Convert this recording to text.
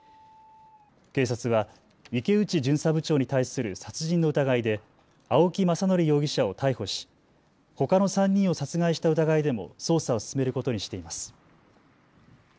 警察は池内巡査部長に対する殺人の疑いで青木政憲容疑者を逮捕しほかの３人を殺害した疑いでも捜査を進めることにしています。